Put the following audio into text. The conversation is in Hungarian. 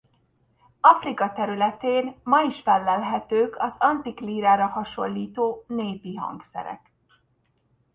Afrika területén ma is fellelhetők az antik lírára hasonlító népi hangszerek.